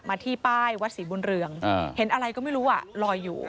ที่ป้ายวัดศรีบุญเรืองเห็นอะไรก็ไม่รู้ลอยอยู่